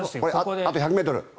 あと１００ｍ。